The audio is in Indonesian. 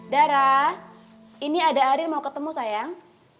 dara ini ada aril mau ketemu sayang